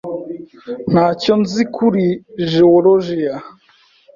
Ntacyo nzi kuri geologiya.